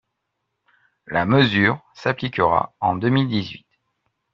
La mesure s’appliquera en deux mille dix-huit